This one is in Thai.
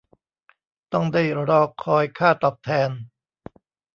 ต้องได้รอคอยค่าตอบแทน